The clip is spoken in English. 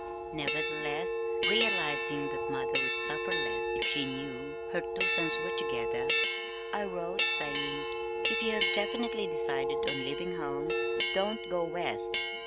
Nevertheless, realizing that mother would suffer less if she knew her two sons were together, I wrote, saying, "If you have definitely decided on leaving home, don't go west.